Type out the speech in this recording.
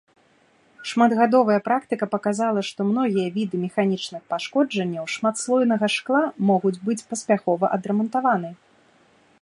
Шматгадовая практыка паказала, што многія віды механічных пашкоджанняў шматслойнага шкла могуць быць паспяхова адрамантаваны.